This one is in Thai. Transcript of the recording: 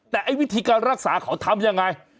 แต่ไอ้วิธีการรักษาเขาทำยังไง